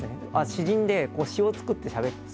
詩人で、詩を作って暮らしている。